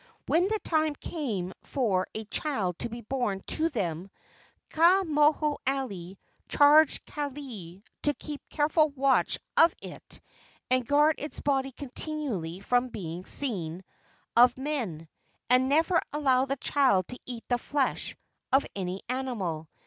When the time came for a THE SHARK MAN OF WAIPIO VALLEY 61 child to be born to them, Ka moho alii charged Kalei to keep careful watch of it and guard its body continually from being seen of men, and never allow the child to eat the flesh of any animal.